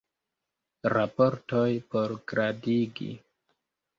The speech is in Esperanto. Raportoj por gradigi.